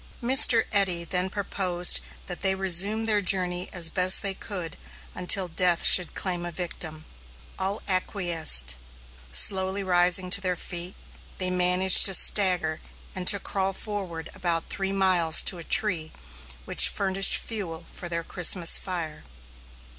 Mr. Eddy then proposed that they resume their journey as best they could until death should claim a victim. All acquiesced. Slowly rising to their feet, they managed to stagger and to crawl forward about three miles to a tree which furnished fuel for their Christmas fire.